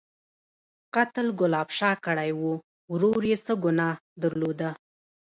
_قتل ګلاب شاه کړی و، ورور يې څه ګناه درلوده؟